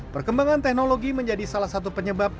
perkembangan teknologi menjadi salah satu penyebab